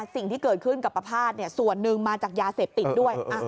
สิ่งที่เกิดขึ้นกับประภาษณ์ส่วนหนึ่งมาจากยาเสพติดด้วย